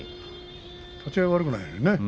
立ち合い、悪くないよ。